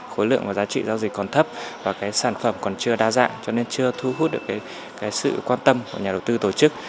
khối lượng và giá trị giao dịch còn thấp và cái sản phẩm còn chưa đa dạng cho nên chưa thu hút được sự quan tâm của nhà đầu tư tổ chức